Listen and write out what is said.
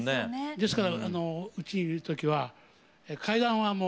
ですからうちにいる時は階段はもう。